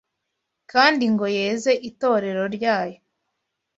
kandi ngo yeze itorero ryayo